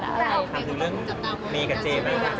คำถึงเรื่องมีกับเจ๊มั้ยค่ะ